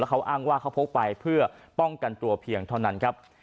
เขาอ้างว่าเขาพกไปเพื่อป้องกันตัวเพียงเท่านั้นครับ